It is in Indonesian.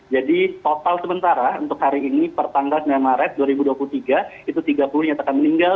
jadi total sementara untuk hari ini pertanggal sembilan maret dua ribu dua puluh tiga itu tiga puluh dinyatakan meninggal